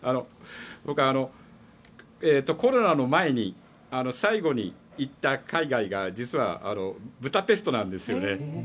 僕、コロナの前に最後に行った海外が実はブダペストなんです。